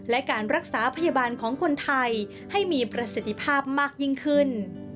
และการรักษาพยาบาลของคนไทยให้มีประสิทธิภาพมากยิ่งขึ้น